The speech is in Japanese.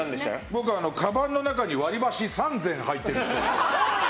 僕はかばんの中に割り箸３膳入っている人。